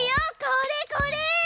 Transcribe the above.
これこれ！